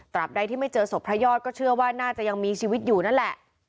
ใดที่ไม่เจอศพพระยอดก็เชื่อว่าน่าจะยังมีชีวิตอยู่นั่นแหละ